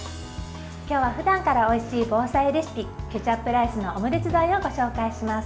今日はふだんからおいしい防災レシピケチャップライスのオムレツ添えをご紹介します。